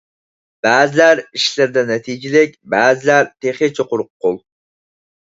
بەزىلەر ئىشلىرىدا نەتىجىلىك، بەزىلەر تېخىچە قۇرۇق قول.